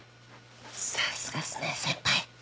さすがっすね先輩！